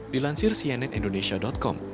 dilansir cnn indonesia com